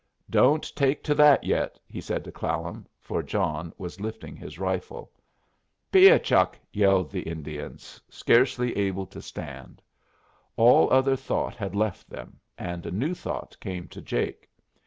"Don't take to that yet!" he said to Clallam, for John was lifting his rifle. "Piah chuck!" yelled the Indians, scarcely able to stand. All other thought had left them, and a new thought came to Jake.